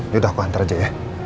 yaudah aku hantar aja ya